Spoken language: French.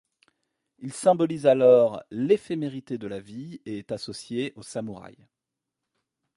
Il symbolise alors l’éphémérité de la vie et est associée aux samouraïs.